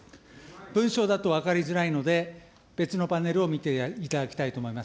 文章だと分かりづらいので、別のパネルを見ていただきたいと思います。